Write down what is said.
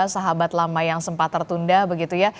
sahabat lama yang sempat tertunda begitu ya